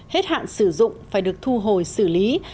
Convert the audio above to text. hết hạn sử dụng phải được thu hồi xử lý